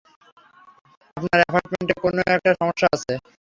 আপনার অ্যাপার্টমেন্টে কোনো একটা সমস্যা আছে।